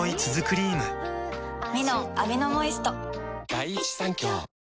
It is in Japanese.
「ミノンアミノモイスト」妹）